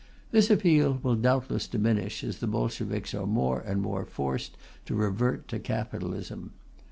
This appeal will doubtless diminish as the Bolsheviks are more and more forced to revert to capitalism.